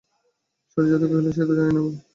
সুচরিতা কহিল, সে তো জানি বোন!